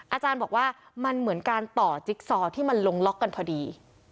อาจารย์บอกว่ามันเหมือนการต่อจิ๊กซอที่มันลงล็อกกันพอดี